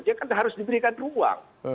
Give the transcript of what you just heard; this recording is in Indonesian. dia kan harus diberikan ruang